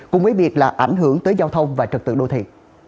cùng với việc là ảnh hưởng tới giao thông và trật tự đô thị